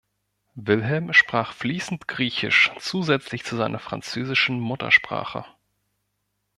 Wilhelm sprach fließend Griechisch zusätzlich zu seiner französischen Muttersprache.